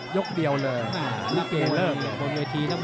ยกเดียวเลยมีเกรเลิก